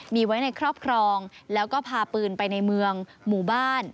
มีไว้ในครอบครองแล้วก็พาปืนไปในเมืองหมู่บ้าน